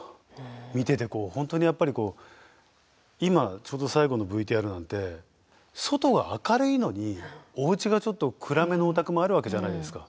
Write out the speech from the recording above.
見ててこう本当にやっぱり今ちょうど最後のＶＴＲなんて外が明るいのにおうちがちょっと暗めのお宅もあるわけじゃないですか。